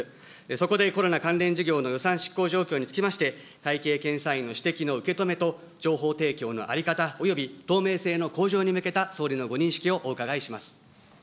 そこでコロナ関連事業の予算執行状況につきまして、会計検査院の指摘の受け止めと、情報提供の在り方および透明性の向上に向けた総理のご認識をお伺いします。